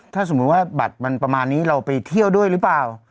ถ้าสมมุติว่าบัตรมันประมาณนี้เราไปเที่ยวด้วยหรือเปล่า